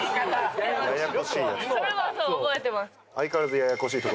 それはそう覚えてます